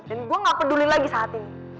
dan gue ga peduli lagi saat ini